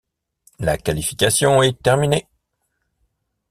La qualification est terminée.